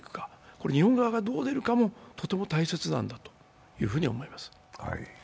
これ日本側が、どう出るかもとても大切なんだと思います。